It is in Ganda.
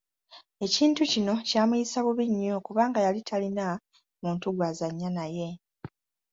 Ekintu kino kyamuyisa bubi nnyo kubanga yali taliina muntu gw'azannya naye.